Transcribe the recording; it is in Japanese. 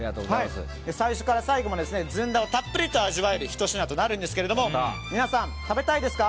最初から最後までずんだをたっぷりと味わえるひと品となるんですが皆さん食べたいですか？